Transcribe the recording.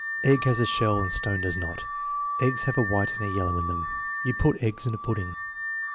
"Egg has a shell and stone does not." "Eggs have a white and a yellow in them." "You put eggs in a pudding."